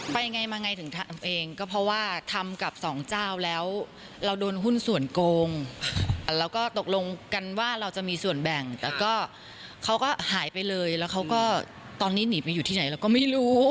ยังไงมาไงถึงทำเองก็เพราะว่าทำกับสองเจ้าแล้วเราโดนหุ้นส่วนโกงแล้วก็ตกลงกันว่าเราจะมีส่วนแบ่งแต่ก็เขาก็หายไปเลยแล้วเขาก็ตอนนี้หนีไปอยู่ที่ไหนเราก็ไม่รู้